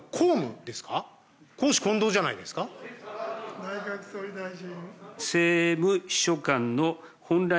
内閣総理大臣。